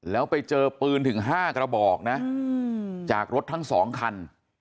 แล้วไปเจอปืนถึง๕กระบอกนะจากรถทั้ง๒คัน